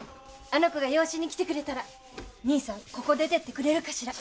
あの子が養子に来てくれたら兄さんここ出てってくれるかしら。